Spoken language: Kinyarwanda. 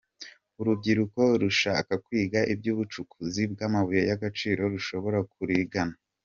Urubyiruko rushaka kwiga iby’ubucukuzi bw’amabuye y’agaciro rushobora kurigana.